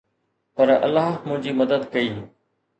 پر الله منهنجي مدد ڪئي